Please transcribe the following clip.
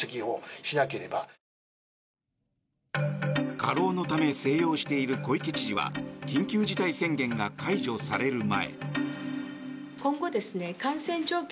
過労のため静養している小池知事は緊急事態宣言が解除される前。